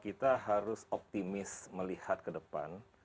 kita harus optimis melihat ke depan